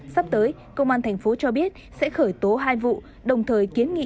sắp tới công an tp cho biết sẽ khởi tố hai vụ đồng thời kiến nghị